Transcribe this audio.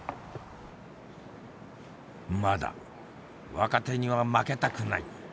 まだ若手には負けたくない。